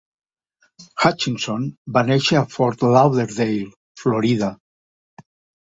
Hutchinson va néixer a Fort Lauderdale (Florida).